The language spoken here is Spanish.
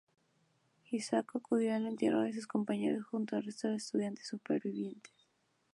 Hisako acudió al entierro de sus compañeros junto al resto de estudiantes supervivientes.